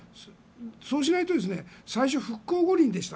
そうしないと最初、復興五輪でした。